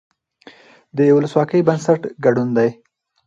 د ولسواکۍ بنسټ ګډون دی